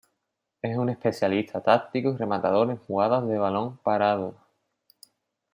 Es un especialista táctico y rematador en jugadas de balón parado.